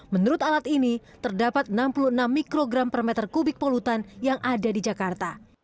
menurut alat ini terdapat enam puluh enam mikrogram per meter kubik polutan yang ada di jakarta